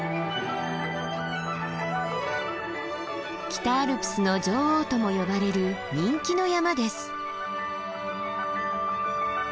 「北アルプスの女王」とも呼ばれる人気の山です。